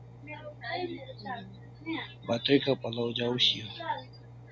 Batrika pal'aw ja'aw shiaw